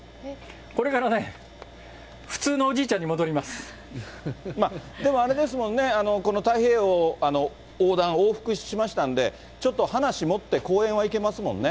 これからね、でもあれですもんね、この太平洋横断、往復しましたんで、ちょっと話持って、講演は行けますものね。